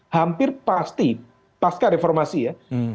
hampir pasti pasca reformasi ya